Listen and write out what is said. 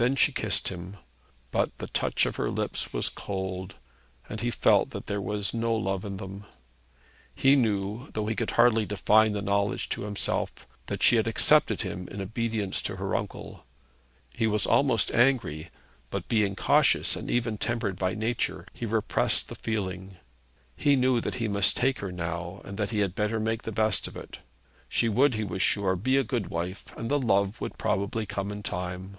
Then she kissed him; but the touch of her lips was cold, and he felt that there was no love in them. He knew, though he could hardly define the knowledge to himself, that she had accepted him in obedience to her uncle. He was almost angry, but being cautious and even tempered by nature he repressed the feeling. He knew that he must take her now, and that he had better make the best of it. She would, he was sure, be a good wife, and the love would probably come in time.